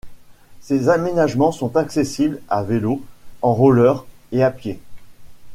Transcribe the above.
Ces aménagements sont accessibles à vélo, en rollers et à pied.